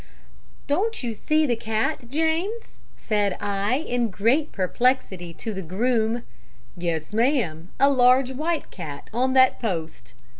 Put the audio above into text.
"'Don't you see the cat, James?' said I in great perplexity to the groom. "'Yes, ma'am; a large white cat on that post.'